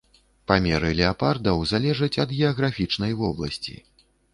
Памеры леапардаў залежаць ад геаграфічнай вобласці.